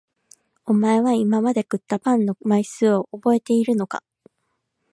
お前は今まで食ったパンの枚数を覚えているのか？